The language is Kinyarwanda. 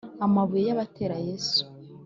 Amabuye bayatera yesu